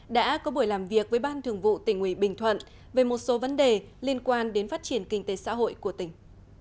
đã có buổi làm việc với ban thường vụ tỉnh ủy bình thuận về một số vấn đề liên quan đến phát triển kinh tế xã hội của tỉnh